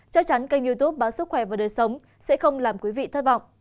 chắc chắn kênh youtube báo sức khỏe và đời sống sẽ không làm quý vị thất vọng